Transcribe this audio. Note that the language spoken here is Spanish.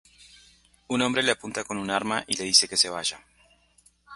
Un hombre le apunta con un arma y le dice que se vaya.